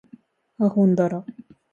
あほんだら